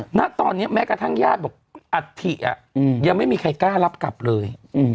ฮะณตอนเนี้ยแม้กระทั่งญาติแบบอัธิอ่ะอืมยังไม่มีใครกล้ารับกลับเลยอืม